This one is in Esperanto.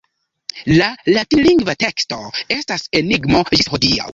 La latinlingva teksto estas enigmo ĝis hodiaŭ.